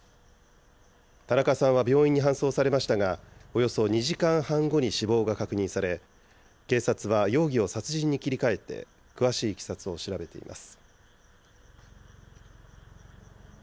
田中さんは病院に搬送されましたが、およそ２時間半後に死亡が確認され、警察は容疑を殺人に切り替えて詳しいいきさつを調べています。